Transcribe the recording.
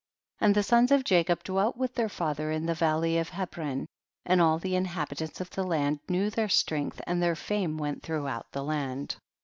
4. And the sons of Jacob dwelt with their father in the valley of He bron, and all the inhabitants of the land knew their strength, and their fame went throughout the land.